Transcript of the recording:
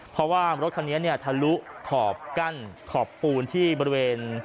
เพราะว่ารถคันนี้เนี่ยทะลุขอบกั้นขอบปูนที่บริเวณ